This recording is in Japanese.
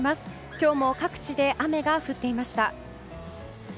今日も各地で雨が降っていました。